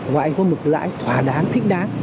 và anh có mức lãi thỏa đáng thích đáng